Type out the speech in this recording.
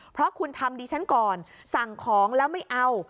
เพราะคุณทำดิฉันก่อนสั่งของแล้วไม่เอา